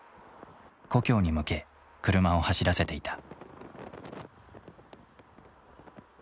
故郷に向け車を走らせていた。